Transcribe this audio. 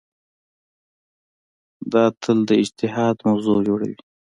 دا تل د اجتهاد موضوع جوړوي.